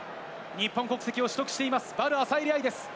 日本国籍を取得しています、ヴァルアサエリ愛です。